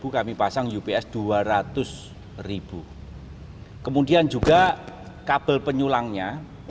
kami pasang ups dua ratus ribu kemudian juga kabel penyulangnya